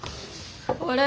あれ？